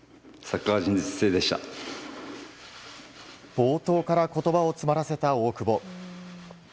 冒頭から言葉を詰まらせた大久保。